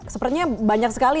sepertinya banyak sekali